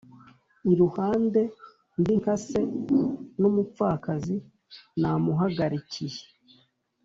iruhande ndi nka se N umupfakazi namuhagarikiye